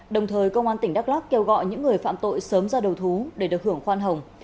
đồng thời công an tỉnh đắk lắc kêu gọi những người phạm tội sớm ra đầu thú để được hưởng khoan hồng